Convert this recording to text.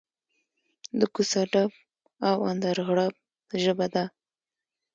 د کوڅه ډب او اندرغړب ژبه ده.